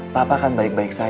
papa kan baik baik saya